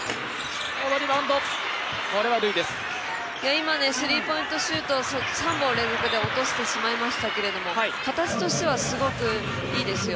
今ねスリーポイントシュート３本連続で落としてしまいましたが形としてはすごくいいですよ